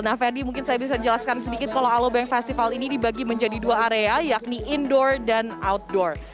nah ferdi mungkin saya bisa jelaskan sedikit kalau alobank festival ini dibagi menjadi dua area yakni indoor dan outdoor